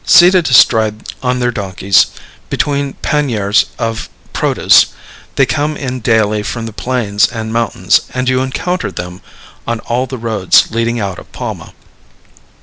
Seated astride on their donkeys, between panniers of produce, they come in daily from the plains and mountains, and you encounter them on all the roads leading out of Palma.